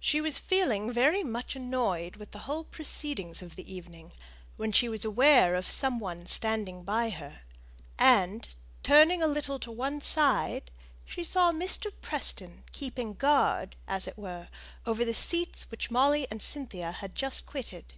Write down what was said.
She was feeling very much annoyed with the whole proceedings of the evening when she was aware of some one standing by her; and, turning a little to one side, she saw Mr. Preston keeping guard, as it were, over the seats which Molly and Cynthia had just quitted.